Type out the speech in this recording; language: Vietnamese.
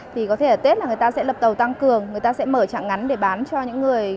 thì có thể là tết là người ta sẽ lập tàu tăng cường người ta sẽ mở trạng ngắn để bán cho những người